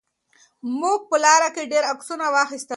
موږ په لاره کې ډېر عکسونه واخیستل.